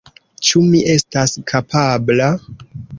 Ĉu mi estas kapabla?